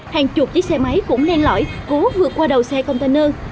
hàng chục chiếc xe máy cũng len lõi cố vượt qua đầu xe container